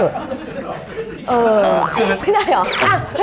เออไม่ได้หรอ